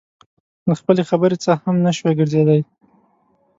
له خپلې خبرې څخه هم نشوى ګرځېدى.